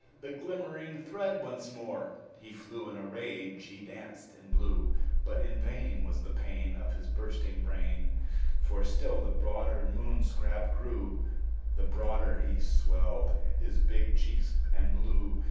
The glimmering thread once more! He flew in a rage he danced and blew; But in vain Was the pain Of his bursting brain; For still the broader the Moon scrap grew, The broader he swelled his big cheeks and blew.